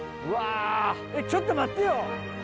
うわえっちょっと待ってよ。